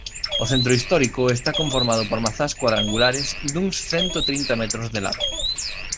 O centro histórico está conformado por mazás cuadrangulares duns cento trinta metros de lado.